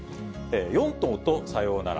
４頭とさようなら。